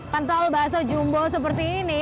tentol baso jumbo seperti ini